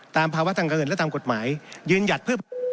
ภาวะทางการเงินและตามกฎหมายยืนหยัดเพื่อ